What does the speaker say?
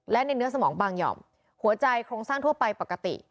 และในเนื้อสมองบางหย่อมหัวใจโครงสร้างทั่วไปปกติ